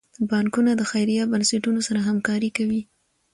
بانکونه د خیریه بنسټونو سره همکاري کوي.